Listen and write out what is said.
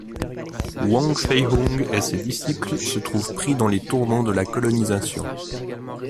Wong Fei-hung et ses disciples se trouvent pris dans les tourments de la colonisation.